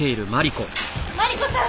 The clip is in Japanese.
マリコさん